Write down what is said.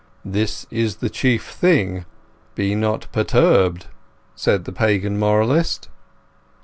"This is the chief thing: be not perturbed," said the Pagan moralist.